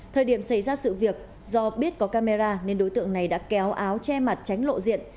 thời điểm xảy ra sự việc do biết có camera nên đối tượng này đã kéo áo che mặt tránh lộ diện